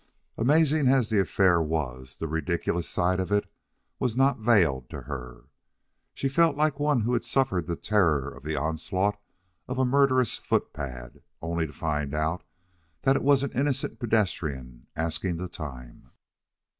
Amazing as the affair was, the ridiculous side of it was not veiled to her. She felt like one who had suffered the terror of the onslaught of a murderous footpad only to find out that it was an innocent pedestrian asking the time.